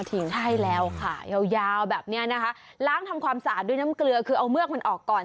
ให้แล้วค่ะยาวยาวแบบเนี้ยนะคะล้างทำความสะอาดด้วยน้ำเกลือคือเอาเือกมันออกก่อน